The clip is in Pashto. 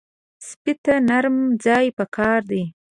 سپي ته نرم ځای پکار دی.